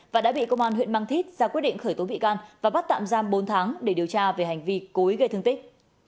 và đã bị công an huyện mang thít ra quyết định khởi tố bị can và bắt tạm giam bốn tháng để điều tra về hành vi cố ý gây thương tích